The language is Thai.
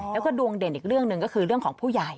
แล้วก็ดวงเด่นอีกเรื่องหนึ่งก็คือเรื่องของผู้ใหญ่